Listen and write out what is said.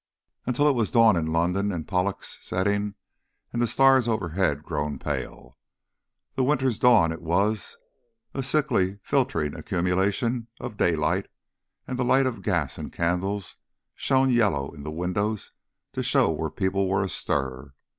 Until it was dawn in London and Pollux setting and the stars overhead grown pale. The Winter's dawn it was, a sickly filtering accumulation of daylight, and the light of gas and candles shone yellow in the windows to show where people were astir.